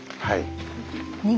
はい。